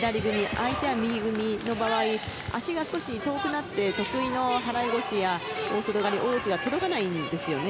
相手は右組みの場合足が少し遠くなって得意の払い腰や大外刈り大内が届かないんですよね。